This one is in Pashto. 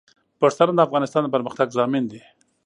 پښتانه د افغانستان د پرمختګ ضامن دي.